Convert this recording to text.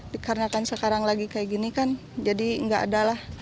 dikarenakan sekarang lagi kayak gini kan jadi nggak ada lah